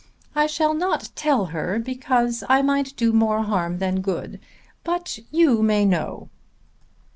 I shall not tell her because I might do more harm than good. But you may know."